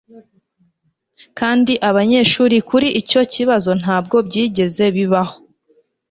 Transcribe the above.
kandi abanyeshuri kuri icyo kibazo ntabwo byigeze bibaho